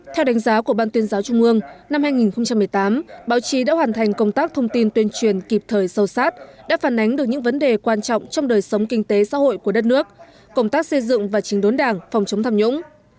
theo đánh giá của ban tuyên giáo trung ương năm hai nghìn một mươi tám báo chí đã hoàn thành công tác thông tin tuyên truyền kịp thời sâu sát đã phản ánh được những vấn đề quan trọng trong đời sống kinh tế xã hội của đất nước công tác xây dựng và chính đốn đảng phòng chống tham nhũng